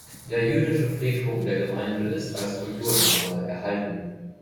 Der jüdische Friedhof der Gemeinde ist als Kulturdenkmal erhalten.